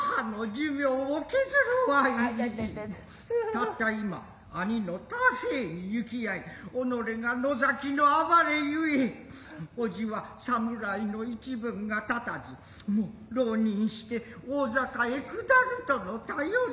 たった今兄の太兵衛に行き逢い己れが野崎のあばれゆえおじは侍の一分が立たず浪人して大坂へ下るとの便り。